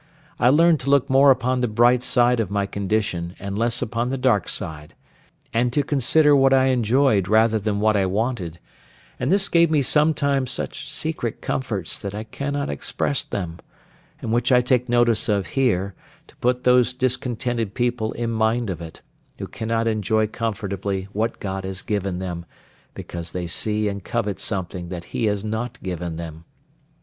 I learned to look more upon the bright side of my condition, and less upon the dark side, and to consider what I enjoyed rather than what I wanted; and this gave me sometimes such secret comforts, that I cannot express them; and which I take notice of here, to put those discontented people in mind of it, who cannot enjoy comfortably what God has given them, because they see and covet something that He has not given them.